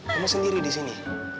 kamu sendiri disini